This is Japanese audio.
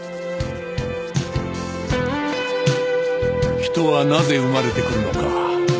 人はなぜ生まれてくるのか。